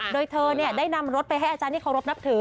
โดยเธอได้นำรถไปให้อาจารย์ที่เคารพนับถือ